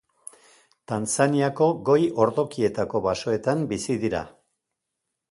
Tanzaniako goi-ordokietako basoetan bizi dira.